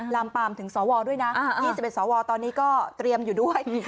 ลามปามถึงสวด้วยนะ๒๑สวตอนนี้ก็เตรียมอยู่ด้วย